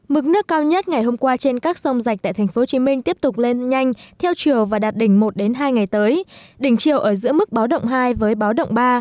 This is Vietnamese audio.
mức nước cao nhất ngày hôm qua trên các sông rạch tại tp hcm tiếp tục lên nhanh theo chiều và đạt đỉnh một hai ngày tới đỉnh chiều ở giữa mức báo động hai với báo động ba